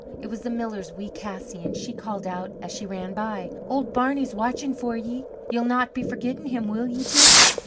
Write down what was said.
It was the miller's wee Cassie, and she called out as she ran by. "Old Barney's watchin' for ye. Ye'll not be forgettin' him, will ye, Teig?"